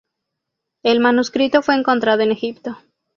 El manuscrito fue encontrado en Egipto.